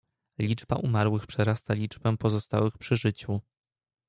"Liczba umarłych przerasta liczbę pozostałych przy życiu."